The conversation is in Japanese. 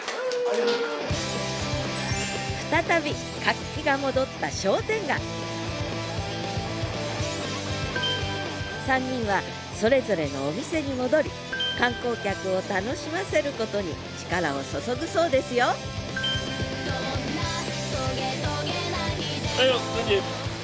再び活気が戻った商店街３人はそれぞれのお店に戻り観光客を楽しませることに力を注ぐそうですよはいよざんぎ。